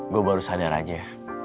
gue baru sadar aja